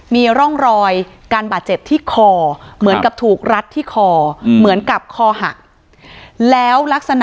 มีร่องรอยการบาดเจ็บที่คอเหมือนกับถูกรัดที่คอเหมือนกับคอหักแล้วลักษณะ